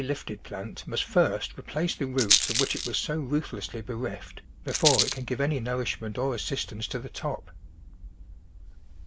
^ lifted plant must first replace the roots of which it was so ruthlessly bereft before it can give any nourish ment or assistance to the top.